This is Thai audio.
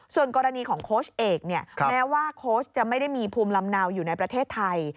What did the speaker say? ส่วนกรณีของโค้ชเอกเนี่ยแม้ว่าโค้ชจะไม่ได้มีภูมิลำเนาอยู่ในประเทศไทย